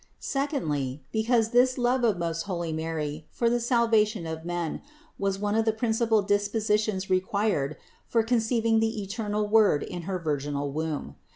Secondly, be cause this love of most holy Mary for the salvation of men was one of the principal dispositions required for conceiving the eternal Word in her virginal womb.